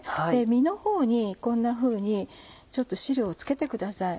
身のほうにこんなふうに汁を付けてください。